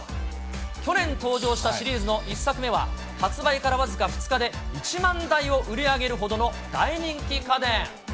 去年登場したシリーズの１作目は、発売から僅か２日で、１万台を売り上げるほどの大人気家電。